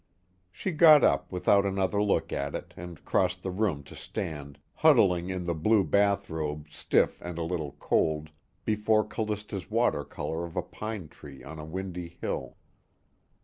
She got up without another look at it and crossed the room to stand, huddling in the blue bathrobe stiff and a little cold, before Callista's watercolor of a pine tree on a windy hill.